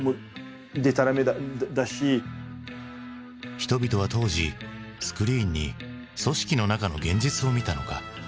人々は当時スクリーンに組織の中の現実を見たのか？